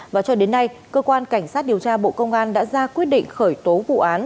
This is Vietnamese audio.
và cho đến nay cơ quan cảnh sát điều tra bộ công an đã ra quyết định khởi tố vụ án